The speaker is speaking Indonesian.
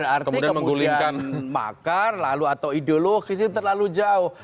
tidak harus berarti kemudian makar atau ideologis itu terlalu jauh